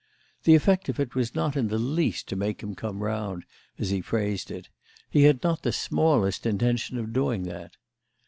The effect of it was not in the least to make him come round, as he phrased it; he had not the smallest intention of doing that.